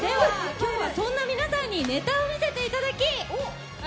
今日はそんな皆さんにネタを見せていただき。